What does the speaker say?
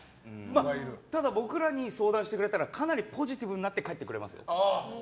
ただ僕らに相談してくれたらかなりポジティブになって帰ってくれますね。